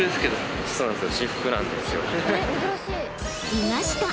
［いました！